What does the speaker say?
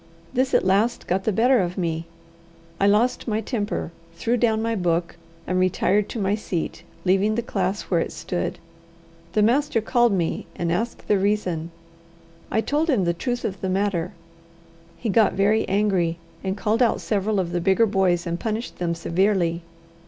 This at last got the better of me; I lost my temper, threw down my book, and retired to my seat, leaving the class where it stood. The master called me and asked the reason. I told him the truth of the matter. He got very angry, and called out several of the bigger boys and punished them severely.